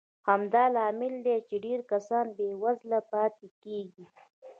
همدا لامل دی چې ډېر کسان بېوزله پاتې کېږي.